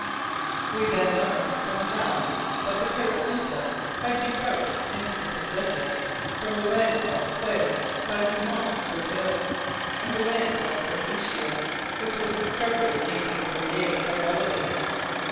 We then learned from maps that the Paracuta had debouched into the Pacific from the land called Clarie by Dumont d'Urville, and the land called Fabricia, which was discovered in 1838 by Bellenny.